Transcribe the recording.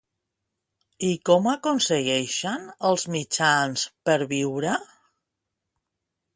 I com aconsegueixen els mitjans per viure?